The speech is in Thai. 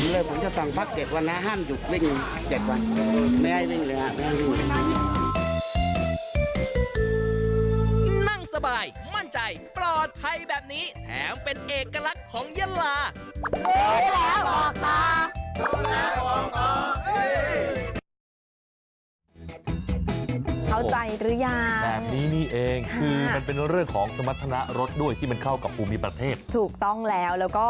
นั่งสบายมั่นใจปลอดภัยแบบนี้แถมเป็นเอกลักษณ์ของเยอนลา